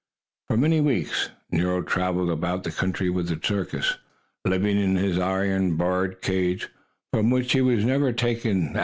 For many weeks Nero traveled about the country with the circus, living in his iron barred cage, from which he was never taken.